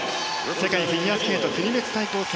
世界フィギュアスケート国別対抗戦。